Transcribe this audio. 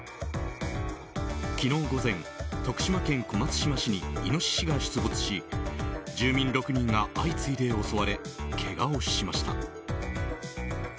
昨日午前、徳島県小松島市にイノシシが出没し住民６人が相次いで襲われけがをしました。